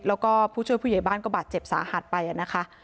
แล้วก็ผู้ช่วยผู้ใหญ่บ้านก็บาดเจ็บสาหัสไปนะคะ